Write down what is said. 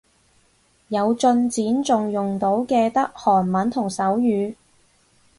有進展仲用到嘅得韓文同手語